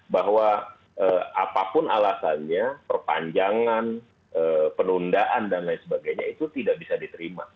bahwa apapun alasannya perpanjangan penundaan dan lain sebagainya itu tidak bisa diterima